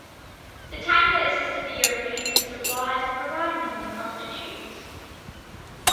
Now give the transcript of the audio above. The Tanka assisted the Europeans with supplies and providing them with prostitutes.